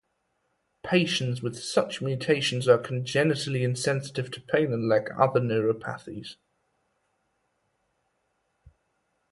Patients with such mutations are congenitally insensitive to pain and lack other neuropathies.